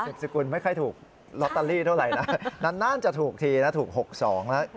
สุดสุดสุดกูลไม่ค่อยถูกลอตเตอรี่เท่าไรนะนั้นจะถูกทีนะถูกหกสองแล้ว